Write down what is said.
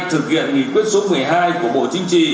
thực hiện nghị quyết số một mươi hai của bộ chính trị